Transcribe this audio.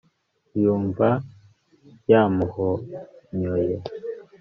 yumva yamuhonyoye